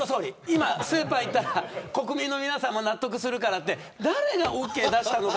今、スーパー行ったら国民の皆さんも納得するからって誰がオーケー出したのか。